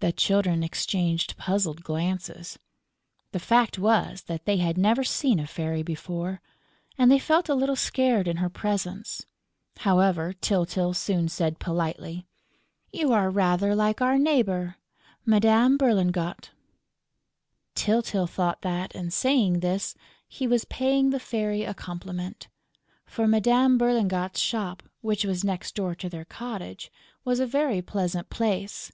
The Children exchanged puzzled glances. The fact was that they had never seen a fairy before; and they felt a little scared in her presence. However, Tyltyl soon said politely: "You are rather like our neighbor, Madame Berlingot...." [Illustration: She herself helped Mytyl] Tyltyl thought that, in saying this, he was paying the Fairy a compliment; for Madame Berlingot's shop, which was next door to their cottage, was a very pleasant place.